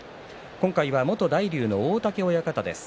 今回は元大竜の大嶽親方です。